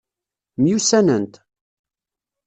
Myussanent?